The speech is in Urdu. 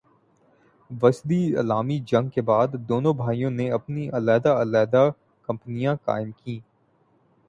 وسری عالمی جنگ کے بعد دونوں بھائیوں نے اپنی علیحدہ علیحدہ کمپنیاں قائم کیں-